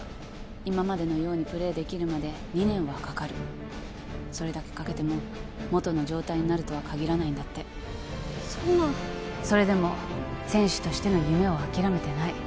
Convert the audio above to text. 今までのようにプレーできるまで２年はかかるそれだけかけても元の状態になるとはかぎらないんだってそんなそれでも選手としての夢を諦めてない